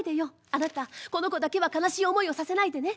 あなたこの子だけは悲しい思いをさせないでね。